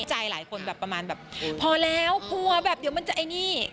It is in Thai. ใจหลายคนประมาณประมาณแบบพอแล้วพอเดี๋ยวมันจะนี่